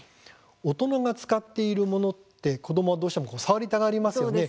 大人が使っているものって子どもは、どうしても触りたがりますよね。